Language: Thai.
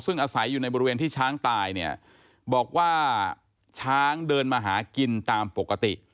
ซึ่งอาศัยอยู่ในบริเวณที่ช้างตายเนี่ยบอกว่าช้างเดินมาหากินตามปกติ